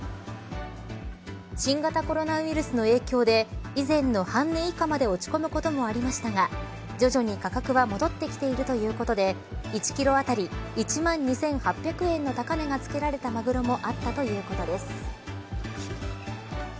新型コロナウイルスの影響で以前の半値以下まで落ち込むこともありましたが徐々に価格は戻ってきてるということで１キロ当たり１万２８００円の高値がつけられたマグロもあったということです。